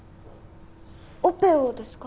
オペをですか？